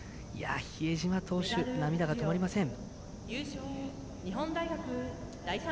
比江島投手、涙が止まりません。